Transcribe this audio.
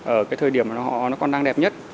ở cái thời điểm mà họ nó còn đang đẹp nhất